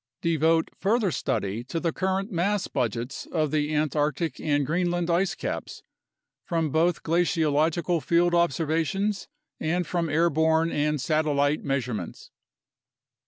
Devote further study to the current mass budgets of the Antarctic and Greenland ice caps, from both glaciological field observations and 76 UNDERSTANDING CLIMATIC CHANGE from airborne and satellite measurements.